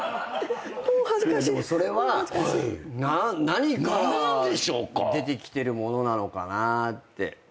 何から出てきてるものなのかなって。